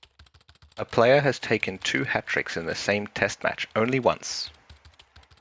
A player has taken two hat-tricks in the same Test match only once.